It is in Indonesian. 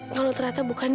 kalau ternyata bukan dia